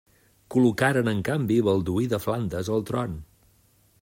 Col·locaren, en canvi, Balduí de Flandes al tron.